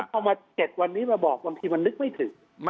แล้วพอมาเก็บวันนี้มาบอกบางทีมันนึกไม่ถึง